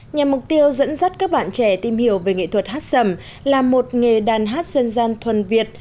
nhằm mục tiêu dẫn dắt các bạn trẻ tìm hiểu về nghệ thuật hát sầm là một nghề đàn hát dân gian thuần việt